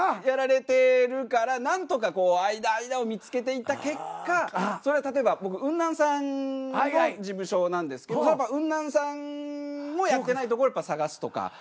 やられてるから何とかこう間間を見つけていった結果それは例えば僕ウンナンさんの事務所なんですけどウンナンさんもやってないとこやっぱ探すとか。